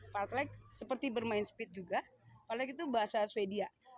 fartlek seperti bermain speed juga fartlek itu bahasa swedia